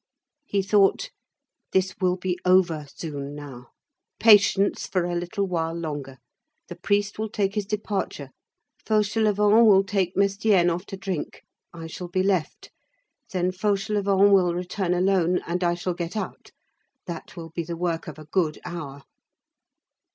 He thought: "This will be over soon now. Patience for a little while longer. The priest will take his departure. Fauchelevent will take Mestienne off to drink. I shall be left. Then Fauchelevent will return alone, and I shall get out. That will be the work of a good hour."